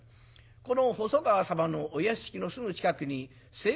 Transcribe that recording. この細川様のお屋敷のすぐ近くに清正公様のお社がある。